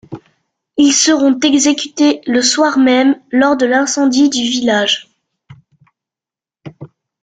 Ils seront exécutés le soir même, lors de l'incendie du village.